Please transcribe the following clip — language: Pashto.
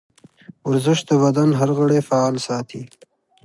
ورزش د بدن هر غړی فعال ساتي.